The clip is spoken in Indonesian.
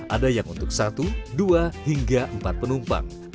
ada yang untuk satu dua hingga empat penumpang